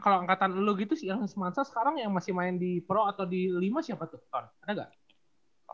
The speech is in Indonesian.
kalau angkatan lo gitu yang semansa sekarang yang masih main di pro atau di limas ya apa tuh